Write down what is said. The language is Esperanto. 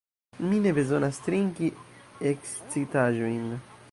Mi ne bezonas trinki ekscitaĵojn.